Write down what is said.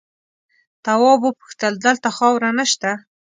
تواب وپوښتل دلته خاوره نه شته؟